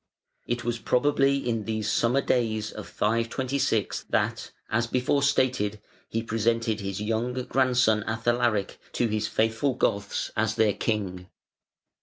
It was probably in these summer days of 526 that (as before stated) he presented his young grandson Athalaric to his faithful Goths as their king.